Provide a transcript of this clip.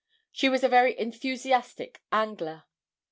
She was a very enthusiastic angler.